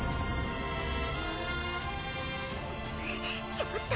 ちょっと！